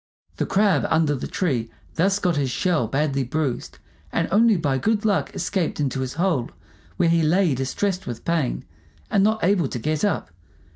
The Crab under the tree thus got his shell badly bruised, and only by good luck escaped into his hole, where he lay distressed with pain, and not able to get up.